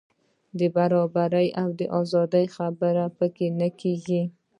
د برابرۍ او ازادۍ خبرې په کې نه کېږي.